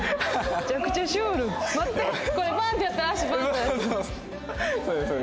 めちゃくちゃシュールですね。